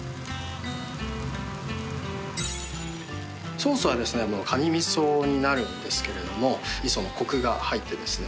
ソースは蟹味噌になるんですけれども味噌のコクが入ってですね。